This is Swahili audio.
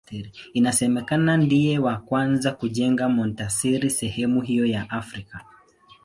Inasemekana ndiye wa kwanza kujenga monasteri sehemu hiyo ya Afrika.